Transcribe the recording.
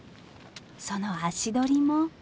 その足取りも。